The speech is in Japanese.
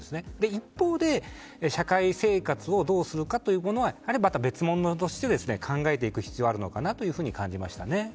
一方で社会生活をどうするかというのはまた別物として考えていく必要があるのかなと思います。